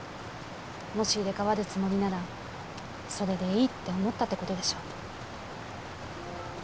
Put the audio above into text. もし入れ替わるつもりならそれでいいって思ったってことでしょ